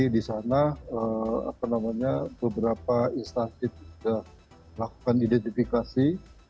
di sana beberapa istatid sudah melakukan identifikasi